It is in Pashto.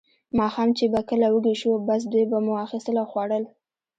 ماښام چې به کله وږي شوو، بس دوی به مو اخیستل او خوړل.